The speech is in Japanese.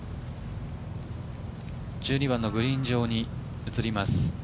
１２番のグリーン上に移ります。